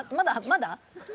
まだ？